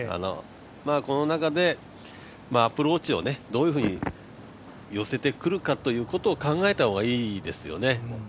この中でアプローチをどういうふうに寄せてくるかということを考えた方がいいですよね。